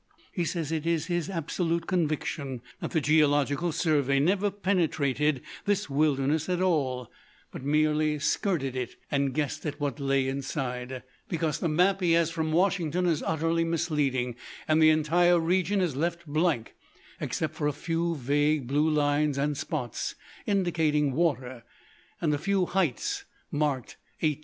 He says it is his absolute conviction that the Geological Survey never penetrated this wilderness at all, but merely skirted it and guessed at what lay inside, because the map he has from Washington is utterly misleading, and the entire region is left blank except for a few vague blue lines and spots indicating water, and a few heights marked '1800.